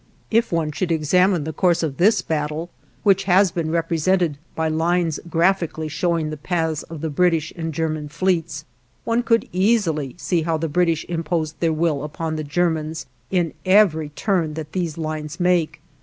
If one should examine the course of this battle, which has been represented by lines graphically showing the paths of the British and German fleets, one could easily see how the British imposed their will upon the Germans in every turn that these lines make.